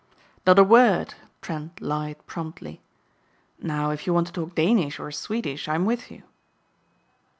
"Not a word," Trent lied promptly, "now if you want to talk Danish or Swedish I'm with you."